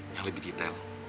yang lebih detail